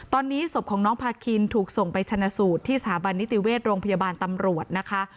ตอนนี้ศพของน้องพาคินถูกส่งไปชนะสูตรที่สถาบันนิติเวชโรงพยาบาลตำรวจนะคะ